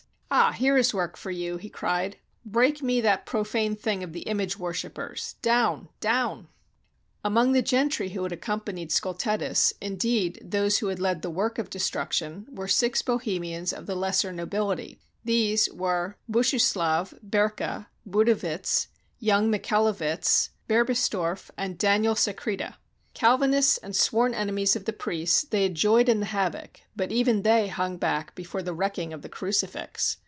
"Ah! here is work for you!" he cried. "Break me that profane thing of the image worshipers! Down! Down!" 291 AUSTRIA HUNGARY Among the gentry who had accompanied Sciiltetus, indeed, those who had led the work of destruction, were six Bohemians of the lesser nobility; these were Bushus lav, Berkha, Budowitz, young Michaelowitz, Berbis torf, and Daniel Secreta. Calvinists and sworn enemies of the priests, they had joyed in the havoc, but even they hung back before the wrecking of the crucifix.